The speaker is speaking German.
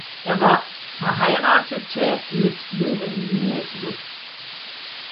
Er war verheiratete mit Wilhelmine Lutz.